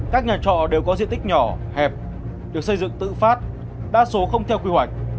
các nhà trọ đều có diện tích nhỏ hẹp được xây dựng tự phát đa số không theo quy hoạch